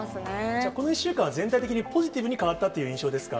じゃ、この１週間は、全体的にポジティブに変わったって印象ですか。